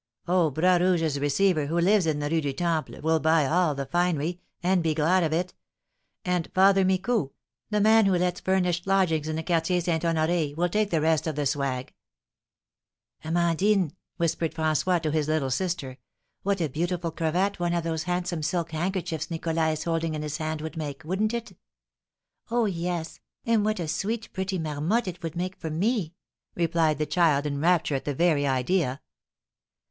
"Oh, Bras Rouge's receiver, who lives in the Rue du Temple, will buy all the finery, and be glad of it. And Father Micou, the man who lets furnished lodgings in the Quartier St. Honoré, will take the rest of the swag." "Amandine," whispered François to his little sister, "what a beautiful cravat one of those handsome silk handkerchiefs Nicholas is holding in his hand would make, wouldn't it?" "Oh, yes; and what a sweet pretty marmotte it would make for me!" replied the child, in rapture at the very idea.